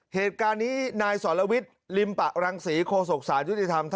เหตุการณ์นี้นายสรวิทย์ลิมปะรังศรีโคศกสารยุติธรรม